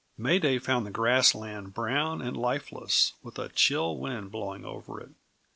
May Day found the grass land brown and lifeless, with a chill wind blowing over it.